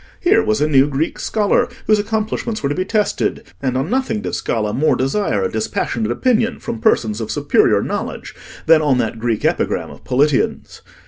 Here was a new Greek scholar whose accomplishments were to be tested, and on nothing did Scala more desire a dispassionate opinion from persons of superior knowledge than on that Greek epigram of Politian's.